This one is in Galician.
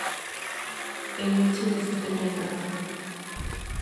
E non che me estraña nada.